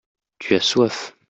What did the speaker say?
tu as soif.